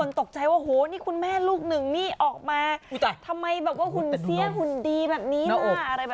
นิ้วเคลียครับ